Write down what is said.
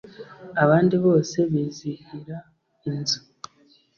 Abandi bose bizihira inzu: